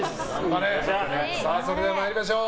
それでは参りましょう。